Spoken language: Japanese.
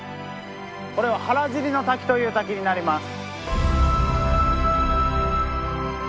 これは原尻の滝という滝になります。